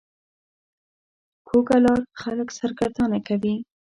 کوږه لار خلک سرګردانه کوي